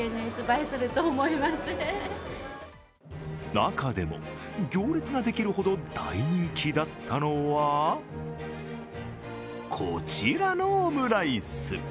中でも行列ができるほど大人気だったのはこちらのオムライス。